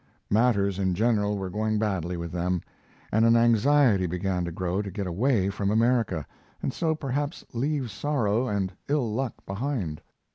Matters in general were going badly with them, and an anxiety began to grow to get away from America, and so perhaps leave sorrow and ill luck behind.